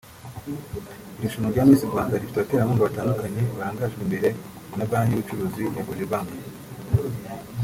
Irushanwa rya Miss Rwanda rifite abaterankunga batandukanye barangajwe imbere na Banki y’Ubucuruzi ya Cogebanque